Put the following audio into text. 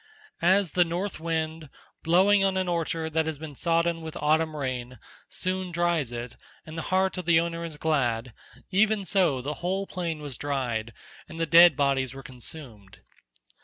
As the north wind, blowing on an orchard that has been sodden with autumn rain, soon dries it, and the heart of the owner is glad—even so the whole plain was dried and the dead bodies were consumed.